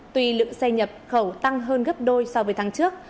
tuy lượng xe nhập khẩu tăng hơn gấp đôi so với tháng trước